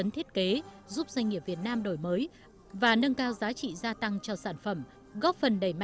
nước mắm ế ẩm